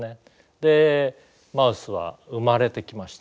でマウスは生まれてきました。